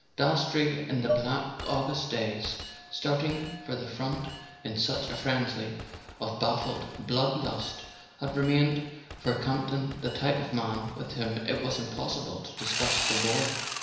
Dastrey, in the black August days, starting for the front in such a frenzy of baffled blood lust, had remained for Campton the type of man with whom it was impossible to discuss the war.